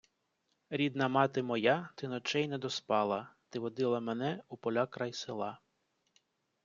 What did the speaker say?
Рідна мати моя, ти ночей не доспала, ти водила мене у поля край села